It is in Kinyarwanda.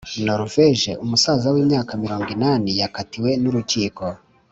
Norvege: Umusaza w’imyaka mirongo inani yakatiwe n’urukiko